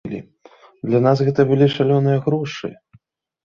Для нас гэта былі шалёныя грошы.